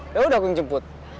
yaudah aku yang jemput